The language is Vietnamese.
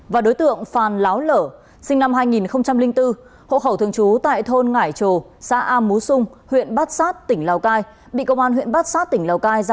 và đối tượng phàn láo lở sinh năm hai nghìn bốn hộ khẩu thường trú tại thôn ngải trồ xã am mú sung huyện bát sát tỉnh lào cai